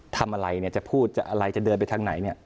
ทำอะไรจะพูดจะอะไรจะเดินไปทางไหน